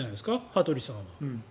羽鳥さんは。